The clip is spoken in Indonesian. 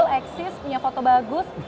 udah gaul eksis punya foto bagus